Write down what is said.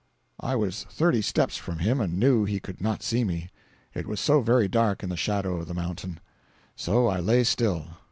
I was thirty steps from him, and knew he could not see me, it was so very dark in the shadow of the mountain. So I lay still.